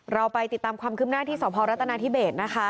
เราไปติดตามความคืบหน้าที่สพรัฐนาธิเบสนะคะ